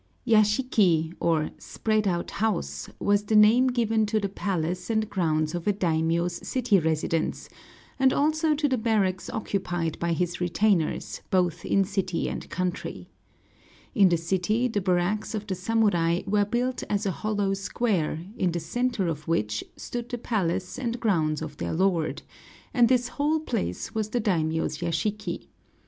Yashiki, or spread out house, was the name given to the palace and grounds of a daimiō's city residence, and also to the barracks occupied by his retainers, both in city and country. In the city the barracks of the samurai were built as a hollow square, in the centre of which stood the palace and grounds of their lord, and this whole place was the daimiō's yashiki.